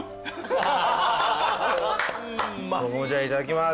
僕もじゃあいただきます。